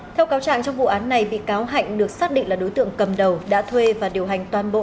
theo cáo trạng trong vụ án này bị cáo hạnh được xác định là đối tượng cầm đầu đã thuê và điều hành toàn bộ